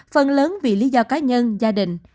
phần lớn vì lý do cá nhân gia đình